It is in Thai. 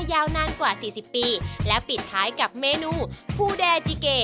ยาวนานกว่า๔๐ปีและปิดท้ายกับเมนูภูแดจิเก